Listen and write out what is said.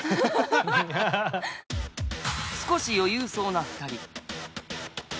少し余裕そうな２人。